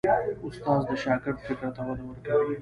استاد د شاګرد فکر ته وده ورکوي.